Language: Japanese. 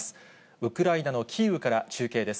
ウクライナのキーウから中継です。